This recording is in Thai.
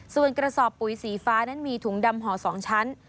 ส่วนกระสอบปุ๋ยสีฟ้านั้นมีถุงดำห่อ๒ชั้น